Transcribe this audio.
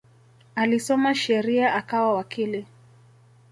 Alisoma sheria akawa wakili.